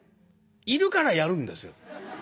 いるからやるんです。